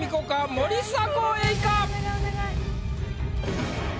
森迫永依！